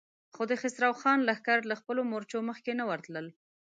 خو د خسرو خان لښکر له خپلو مورچو مخکې نه ورتلل.